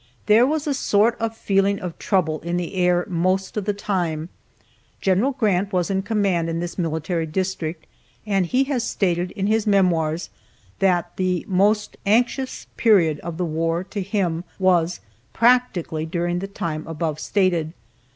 There was a sort of feeling of trouble in the air most of the time. Gen. Grant was in command in this military district, and he has stated in his Memoirs that the "most anxious" period of the war, to him, was, practically, during the time above stated.